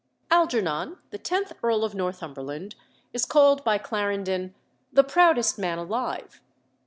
Algernon, the tenth Earl of Northumberland, is called by Clarendon "the proudest man alive."